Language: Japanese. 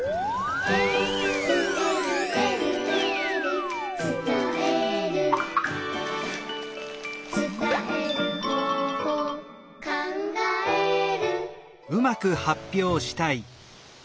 「えるえるえるえる」「つたえる」「つたえる方法」「かんがえる」